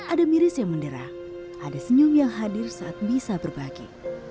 ada miris yang mendera ada senyum yang hadir saat bisa berbagi